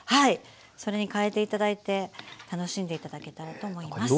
それにかえて頂いて楽しんで頂けたらと思います。